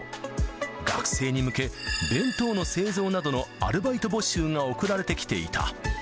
学生に向け、弁当の製造などのアルバイト募集が送られてきていた。